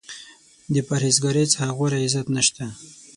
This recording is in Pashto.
د پرهیز ګارۍ څخه غوره عزت نشته.